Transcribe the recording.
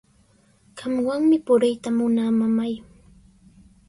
Qamwanmi puriyta munaa, mamay.